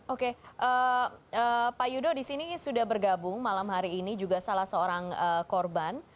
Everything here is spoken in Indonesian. oke pak yudo di sini sudah bergabung malam hari ini juga salah seorang korban